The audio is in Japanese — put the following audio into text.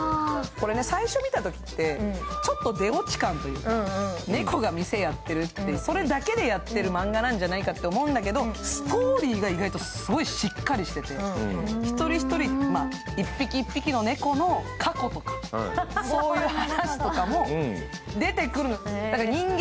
これね、最初見たときってちょっと出落ち感で、猫が店やってるってそれだけでやってるマンガじゃないかって思うんだけどストーリーが意外としっかりしてて１人１人、１匹１匹の猫の過去とかそういう話とかも出てくる。